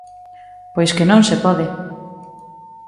Pois que non se pode.